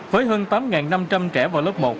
với hơn tám năm trăm linh trẻ vào lớp một